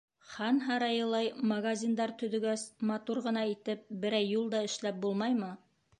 Хан һарайылай магазиндар төҙөгәс, матур ғына итеп берәй юл да эшләп булмаймы?